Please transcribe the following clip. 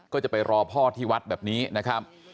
ก็จะไปรอพ่อที่วัดแบบนี้นะครับ